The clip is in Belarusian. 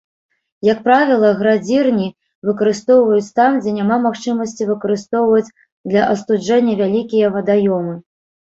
Як правіла, градзірні выкарыстоўваюць там, дзе няма магчымасці выкарыстоўваць для астуджэння вялікія вадаёмы.